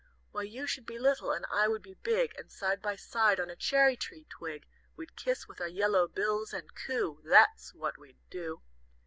Why you should be little and I would be big, And, side by side on a cherry tree twig, We'd kiss with our yellow bills, and coo That's what we'd do!